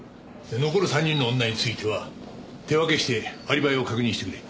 残る３人の女については手分けしてアリバイを確認してくれ。